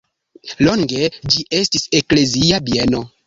Longe ĝi estis eklezia bieno.